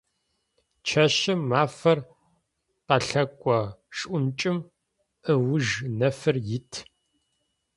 Чэщым мафэр къылъэкӏо, шӏункӏым ыуж нэфыр ит.